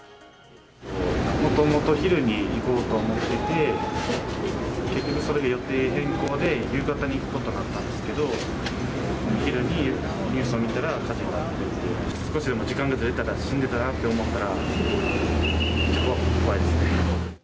もともと昼に行こうと思っていて、結局、それで予定変更で夕方に行くことになったんですけど、昼にニュースを見たら、火事になっていて、少しでも時間がずれてたら死んでいたなと思ったら、怖いですね。